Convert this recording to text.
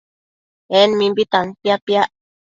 En mimbi tantia piac